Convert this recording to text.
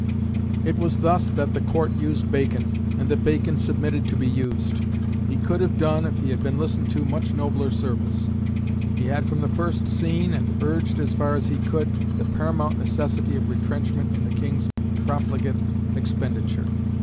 It was thus that the Court used Bacon, and that Bacon submitted to be used. He could have done, if he had been listened to, much nobler service. He had from the first seen, and urged as far as he could, the paramount necessity of retrenchment in the King's profligate expenditure.